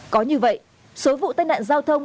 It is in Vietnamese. có như vậy số vụ tai nạn giao thông